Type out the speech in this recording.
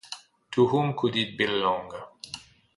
To whom could it belong?